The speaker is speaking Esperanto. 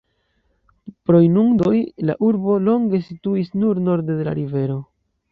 Pro inundoj, la urbo longe situis nur norde de la rivero.